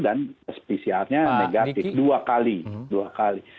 dan spesialnya negatif dua kali